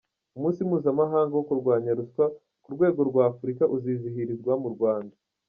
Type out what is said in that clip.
Umunsi mpuzamahanga wo kurwanya ruswa ku rwego rwa Afurika uzizihirizwa mu Rwanda